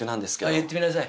言ってみなさい。